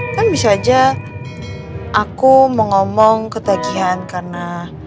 kan bisa aja aku mau ngomong ketagihan karena